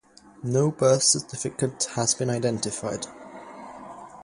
No birth certificate has been identified.